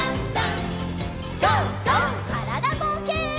からだぼうけん。